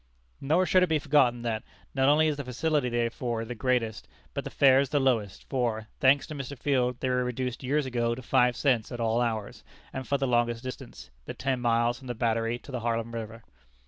Nor should it be forgotten that, not only is the facility they afford the greatest, but the fares the lowest, for, thanks to Mr. Field, they were reduced years ago to five cents at all hours and for the longest distance, the ten miles from the Battery to the Harlem river.